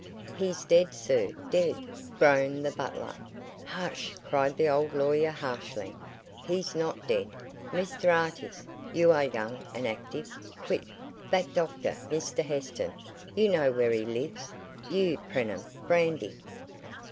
"He's dead, sir, dead!" groaned the butler. "Hush!" cried the old lawyer harshly. "He's not dead. Mr Artis, you are young and active. Quick. That doctor, Mr Heston. You know where he lives. You, Preenham, brandy.